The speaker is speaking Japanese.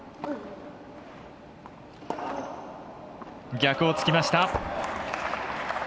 逆をつきました。